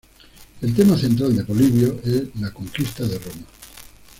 El tema central de Polibio es la conquista de Roma.